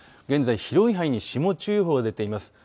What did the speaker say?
現在、広い範囲に霜注意報が出ています。